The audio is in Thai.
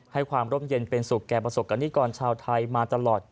ความร่มเย็นเป็นสุขแก่ประสบกรณิกรชาวไทยมาตลอด